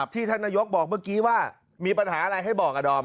ท่านนายกบอกเมื่อกี้ว่ามีปัญหาอะไรให้บอกอะดอม